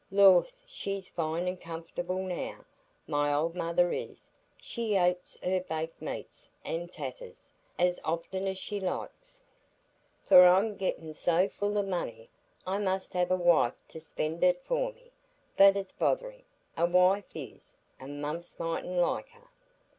Lors, she's fine an' comfor'ble now, my old mother is; she ates her baked meat an' taters as often as she likes. For I'm gettin' so full o' money, I must hev a wife to spend it for me. But it's botherin,' a wife is,—and Mumps mightn't like her."